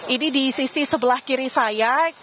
ini di sisi sebelah kiri saya